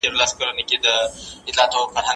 فکري جريانونه تر سياسي ګوندونو ډېر څېړل کېږي.